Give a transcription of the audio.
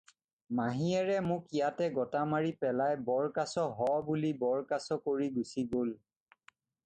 মাহীয়েৰে মোক ইয়াতে গতা মাৰি পেলাই বৰকাছ হ বুলি বৰকাছ কৰি গুচি গ'ল।